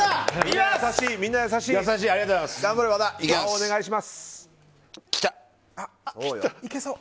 お願いします。